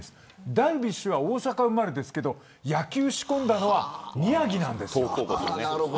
ダルビッシュは大阪生まれですけど野球を仕込んだのは宮城です。